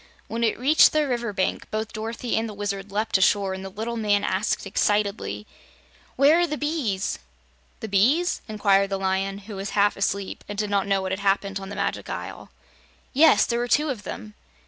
When it reached the river bank, both Dorothy and the Wizard leaped ashore and the little man asked excitedly: "Where are the bees?" "The bees?" inquired the Lion, who was half asleep and did not know what had happened on the Magic Isle. "Yes; there were two of them."